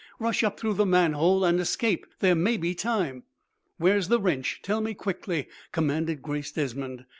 Rush up through the manhole and escape. There may be time." "Where's the wrench? Tell me quickly," commanded Grace Desmond.